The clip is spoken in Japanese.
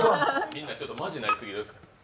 みんな、ちょっとマジになりすぎです。